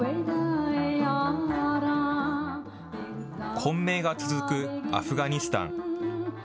混迷が続くアフガニスタン。